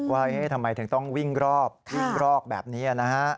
ว่าทำไมถึงต้องวิ่งรอบวิ่งรอบแบบนี้นะฮะ